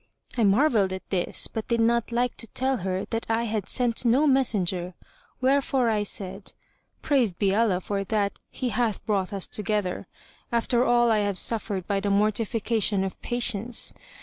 I marvelled at this, but did not like to tell her that I had sent no messenger; wherefore I said, "Praised be Allah for that He hath brought us together, after all I have suffered by the mortification of patience!